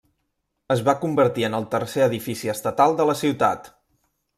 Es va convertir en el tercer edifici estatal de la ciutat.